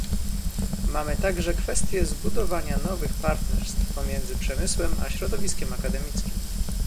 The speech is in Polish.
Mamy także kwestię zbudowania nowych partnerstw pomiędzy przemysłem a środowiskiem akademickim